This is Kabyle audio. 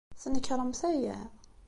Tnekṛemt aya?